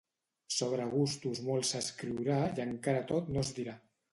Sobre gustos molt s'escriurà i encara tot no es dirà.